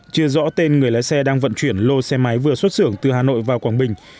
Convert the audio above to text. chưa rõ tên người lái xe đang vận chuyển lô xe máy vừa xuất xưởng từ hà nội vào quảng bình